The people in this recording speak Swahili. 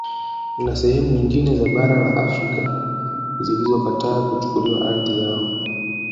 Na sehemu nyingine za bara la Afrika zilizokataa kuchukuliwa ardhi yao